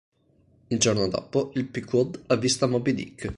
Il giorno dopo, il "Pequod" avvista Moby Dick.